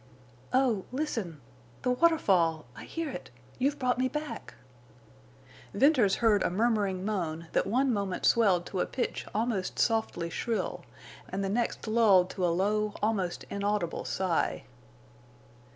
"Oh, listen!... The waterfall!... I hear it! You've brought me back!" Venters heard a murmuring moan that one moment swelled to a pitch almost softly shrill and the next lulled to a low, almost inaudible sigh.